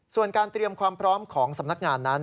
ส่วนการเตรียมความพร้อมของสำนักงานนั้น